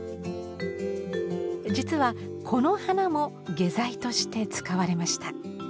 実はこの花も下剤として使われました。